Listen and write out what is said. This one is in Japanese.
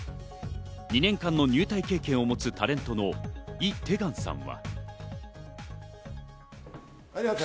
２年間の入隊経験を持つタレントのイ・テガンさんは。